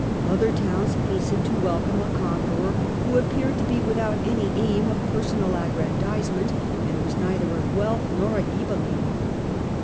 Other towns hastened to welcome a con queror who appeared to be without any aim of personal aggrandisement, and was neither a Guelf nor a Ghibel line.